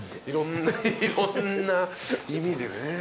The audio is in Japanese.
いろんな意味でね。